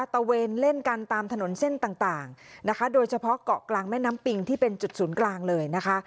ตะเวนเล่นกันตามถนนเส้นต่างนะคะโดยเฉพาะเกาะกลางแม่น้ำปิงที่เป็นจุดศูนย์กลางเลยนะคะ